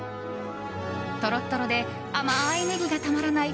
トロトロで甘いネギがたまらない